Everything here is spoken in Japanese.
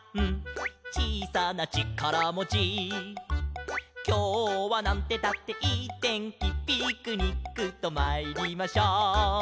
「ちいさなちからもち」「きょうはなんてったっていいてんき」「ピクニックとまいりましょう」